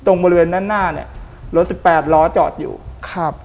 บริเวณด้านหน้าเนี้ยรถสิบแปดล้อจอดอยู่ครับ